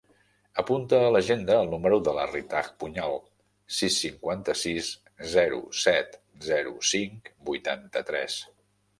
Apunta a l'agenda el número de la Ritaj Puñal: sis, cinquanta-sis, zero, set, zero, cinc, vuitanta-tres.